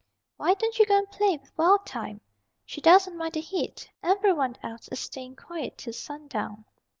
"Why don't you go and play with Wild Thyme? She doesn't mind the heat. Every one else is staying quiet till sundown."